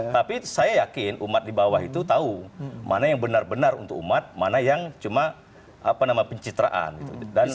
tapi saya yakin umat di bawah itu tahu mana yang benar benar untuk umat mana yang cuma pencitraan gitu